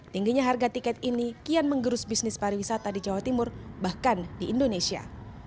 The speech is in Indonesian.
tingginya harga tiket ini kian menggerus bisnis pariwisata di jawa timur bahkan di indonesia